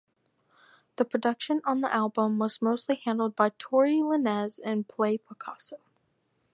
The production on the album was mostly handled by Tory Lanez and Play Picasso.